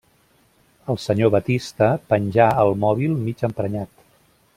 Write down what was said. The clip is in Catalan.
El senyor Batiste penjà el mòbil mig emprenyat.